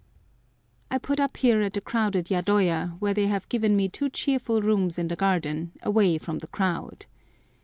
I put up here at a crowded yadoya, where they have given me two cheerful rooms in the garden, away from the crowd.